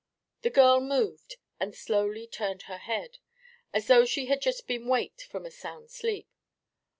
The girl moved, and slowly turned her head, as though she had just been waked from a sound sleep.